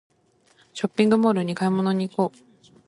ショッピングモールに買い物に行こう